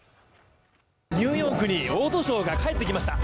ニューヨークにオートショーが帰ってきました